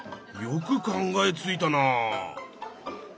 よく考えついたなあ。